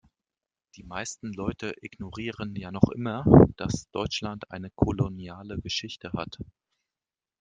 Die meisten Leute ignorieren ja noch immer, dass Deutschland eine koloniale Geschichte hat.